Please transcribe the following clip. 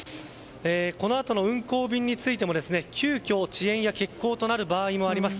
このあとの運航便についても急遽遅延や欠航となる場合もあります。